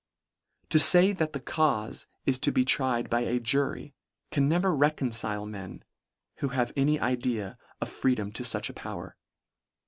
To fay that the caufe is to be tried by a jury can never reconcile men, who have any idea of freedom to fuch a power.